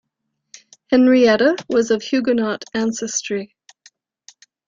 Henrietta was of Huguenot ancestry.